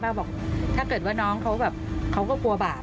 บอกถ้าเกิดว่าน้องเขาแบบเขาก็กลัวบาป